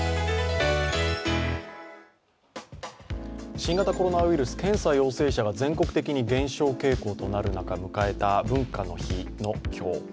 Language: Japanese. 新型コロナウイルス、検査陽性者が全国的に減少傾向となる中迎えた文化の日の今日。